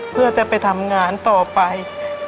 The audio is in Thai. เพื่อจะไปทำงานต่อไป